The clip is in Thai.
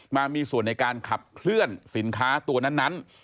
มามีส่วนในการขับเคลื่อนสินค้าตัวนั้น